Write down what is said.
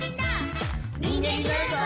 「にんげんになるぞ！」